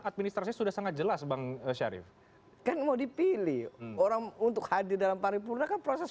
administrasi sudah sangat jelas bang syarif kan mau dipilih orang untuk hadir dalam paripurna kan proses